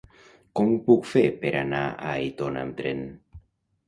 Com ho puc fer per anar a Aitona amb tren?